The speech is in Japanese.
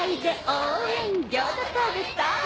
応援応援ギョーザ食べたい！